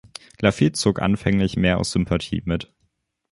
Laffite zog anfänglich mehr aus Sympathie mit.